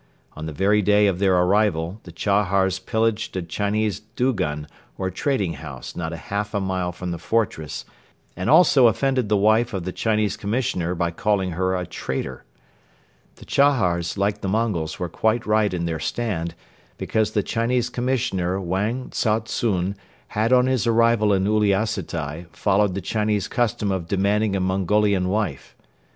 On the very day of their arrival the Chahars pillaged a Chinese dugun or trading house not half a mile from the fortress and also offended the wife of the Chinese Commissioner by calling her a "traitor." The Chahars, like the Mongols, were quite right in their stand, because the Chinese Commissioner Wang Tsao tsun had on his arrival in Uliassutai followed the Chinese custom of demanding a Mongolian wife.